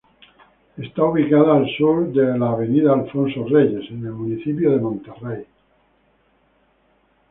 Está ubicada al sur de "Avenida Alfonso Reyes" en el municipio de Monterrey.